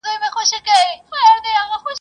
زما بچي مي زه پخپله لویومه !.